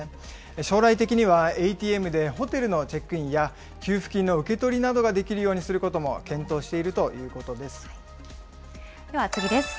将来的には、ＡＴＭでホテルのチェックインや、給付金の受け取りなどができるようにすることも検では次です。